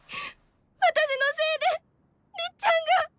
私のせいでりっちゃんが！